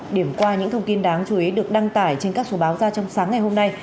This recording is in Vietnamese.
điểm qua những thông tin đáng chú ý được đăng tải trên các số báo ra trong sáng ngày hôm nay